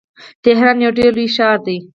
تهران یو ډیر لوی ښار دی.